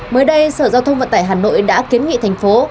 mới đây sở giao thông vận tải hà nội đã kiến nghị thành phố